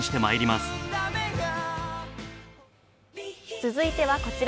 続いてはこちら。